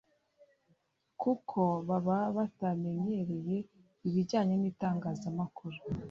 Kuko baba batamenyereye ibijyanye n’itangazamakuru